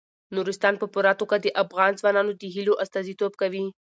نورستان په پوره توګه د افغان ځوانانو د هیلو استازیتوب کوي.